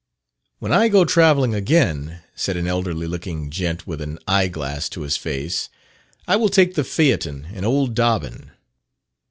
"When I go travelling again," said an elderly looking gent with an eye glass to his face, "I will take the phaeton and old Dobbin."